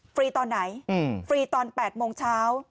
ตอนไหนฟรีตอน๘โมงเช้า